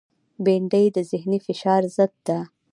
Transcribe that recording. بېنډۍ د ذهنی فشار ضد ده